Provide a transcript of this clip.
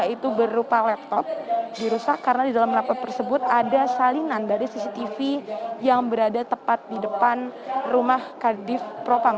itu berupa laptop dirusak karena di dalam laptop tersebut ada salinan dari cctv yang berada tepat di depan rumah kadif propang